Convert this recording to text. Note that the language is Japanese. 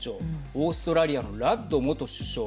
オーストラリアのラッド元首相。